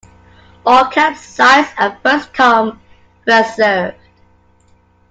All camp sites are first-come, first-served.